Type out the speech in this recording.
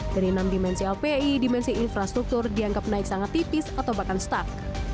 dari enam dimensi lpi dimensi infrastruktur dianggap naik sangat tipis atau bahkan stuck